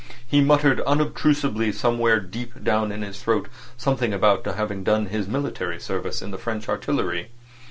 He muttered unobtrusively somewhere deep down in his throat something about having done his military service in the French artillery.